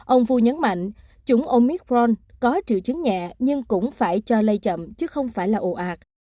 ông phu nhấn mạnh chủng omicron có triệu chứng nhẹ nhưng cũng phải cho lây chậm chứ không phải là ồ ạt